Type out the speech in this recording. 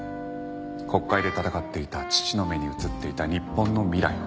国会で戦っていた父の目に映っていた日本の未来を。